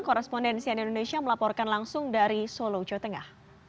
korrespondensi ani indonesia melaporkan langsung dari solo jawa tengah